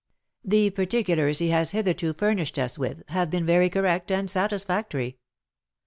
"The particulars he has hitherto furnished us with have been very correct and satisfactory."